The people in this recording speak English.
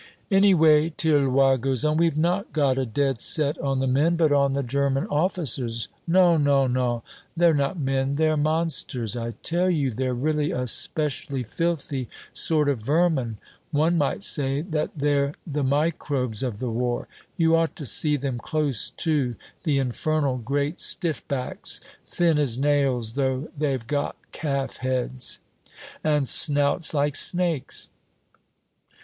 "Anyway," Tirloir goes on, "we've not got a dead set on the men, but on the German officers; non, non, non, they're not men, they're monsters. I tell you, they're really a specially filthy sort o' vermin. One might say that they're the microbes of the war. You ought to see them close to the infernal great stiff backs, thin as nails, though they've got calf heads." "And snouts like snakes."